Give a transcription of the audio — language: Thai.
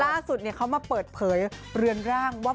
ล่าสุดเขามาเปิดเผยเรือนร่างว่า